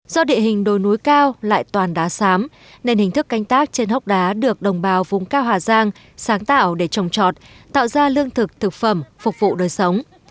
do địa hình đồi núi cao lại toàn đá sám nên hình thức canh tác trên hốc đá được đồng bào vùng cao hà giang sáng tạo để trồng trọt tạo ra lương thực thực phẩm phục vụ đời sống